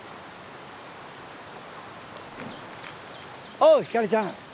おぉひかりちゃん。